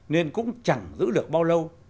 nên cũng chẳng giữ được bao lâu